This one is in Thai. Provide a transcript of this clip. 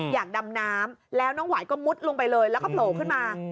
อยากดำน้ำแล้วน้องหวายก็มุดลงไปเลยแล้วก็โผล่ขึ้นมา